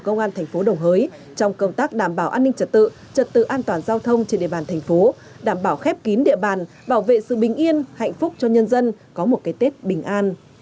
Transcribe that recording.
công an tỉnh nam định khởi tố trong vụ án hình sự sử dụng mạng máy tài liệu